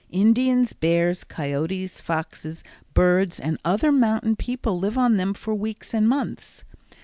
Indians, bears, coyotes, foxes, birds and other mountain people live on them for weeks and months.